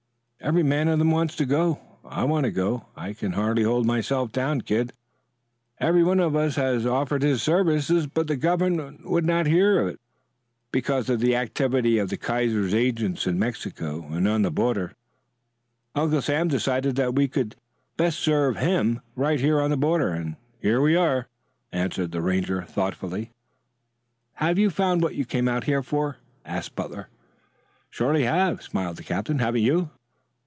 "Every man of them wants to go I want to go. I can hardly hold myself down, Kid. Every one of us has offered his services, but the government would not hear to it. Because of the activity of the Kaiser's agents in Mexico and on the border, Uncle Sam decided that we could best serve him right here on the border, and here we are," answered the Ranger thoughtfully. "Have you found what you came out here for?" asked Butler. "Surely I have," smiled the captain. "Haven't you?"